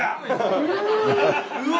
う！わ！